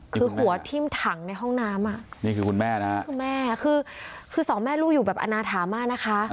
คือหัวทิ้งถังในห้องน้ำอ่ะคุณแม่คือ๒แม่ลูกอยู่แบบอณาถาม่านะคะ